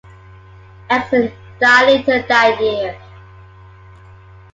Atkinson died later that year.